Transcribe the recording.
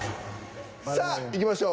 さあいきましょう。